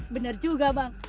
benar juga bang